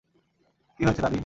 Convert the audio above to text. কি হয়েছে, দাদী?